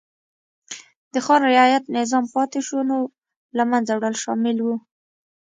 د خان رعیت نظام پاتې شونو له منځه وړل شامل و.